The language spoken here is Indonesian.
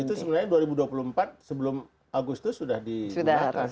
itu sebenarnya dua ribu dua puluh empat sebelum agustus sudah digunakan